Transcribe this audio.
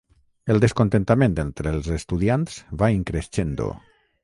El descontentament entre els estudiants va 'in crescendo'.